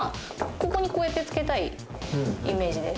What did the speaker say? ここにこうやってつけたいイメージです